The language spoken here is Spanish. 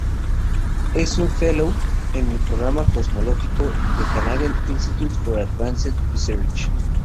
Es un "fellow" en el programa cosmológico del Canadian Institute for Advanced Research.